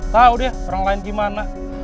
tahu deh orang lain gimana